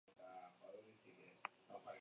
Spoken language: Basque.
Nik euskara ama hizkuntza nuen.